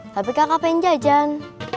tapi kakak pengen jajan